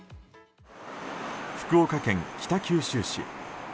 福岡県北九州市。